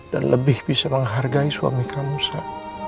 dan lebih bisa menghargai suami kamu sa